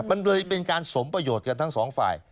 มันเลยเป็นการสมประโยชน์กันทั้งสองฝ่าย